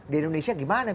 di indonesia gimana